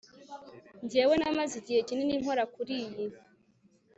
njyewe namaze igihe kinini nkora kuriyi